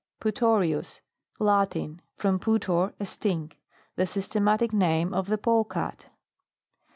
PUTORIUS. Latin. From putor, a stink. The systematic name of the polecat.